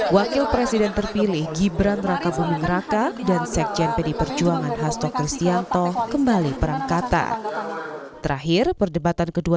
wakil presiden terpilih gibran raka buming raka dan sekjen pd perjuangan hasto kristianto kembali perang kata terakhir perdebatan kedua